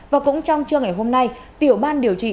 và cũng trong trưa ngày hôm nay tiểu ban điều trị